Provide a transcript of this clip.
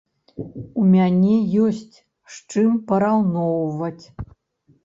У мяне ёсць, з чым параўноўваць.